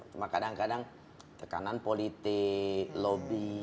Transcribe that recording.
cuma kadang kadang tekanan politik lobby